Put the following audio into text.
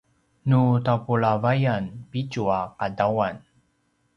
nu tapulavayan pitju a qadawan